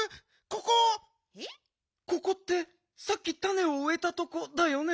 ここってさっきたねをうえたとこだよね？